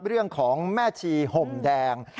เรื่องของแม่ชีห่มแดง